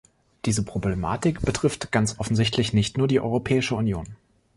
Diese Problematik betrifft ganz offensichtlich nicht nur die Europäische Union.